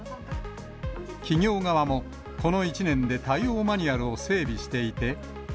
企業側も、この１年で対応マニュアルを整備していて。